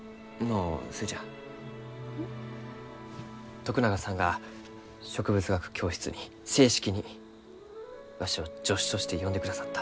徳永さんが植物学教室に正式にわしを助手として呼んでくださった。